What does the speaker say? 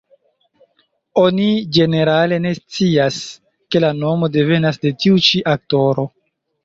Oni ĝenerale ne scias, ke la nomo devenas de tiu ĉi aktoro.